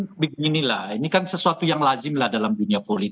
ya kan beginilah ini kan sesuatu yang lajim lah dalam dunia